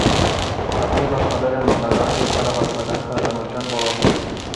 Ակտիվ աշխատել է մանկական և դեռահասական գրականության ոլորտում։